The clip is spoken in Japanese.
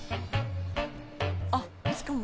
あっしかも。